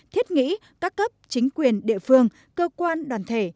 thiết nghĩ các cấp chính quyền địa phương cơ quan đoàn thể